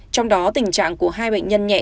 trong đó tình trạng của hai bệnh nhân nhẹ